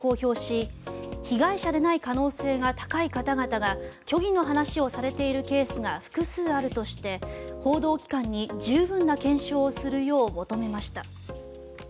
ジャニーズ事務所は、新たにホームページで見解を公表し被害者でない可能性が高い方々が虚偽の話をされているケースが複数あるとして報道機関に十分な検証をするよう求めました。